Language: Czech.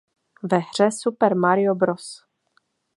Ve hře Super Mario Bros.